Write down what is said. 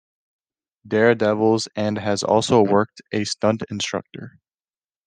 Daredevils and has also worked a stunt instructor.